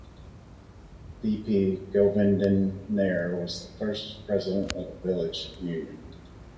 V. P. Govindan Nair was the first president of the village union.